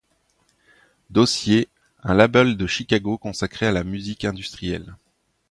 Dossiers, un label de Chicago consacré à la musique industrielle.